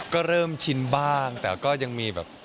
ก็เริ่มชินบ้างแต่ก็ยังมีแบบ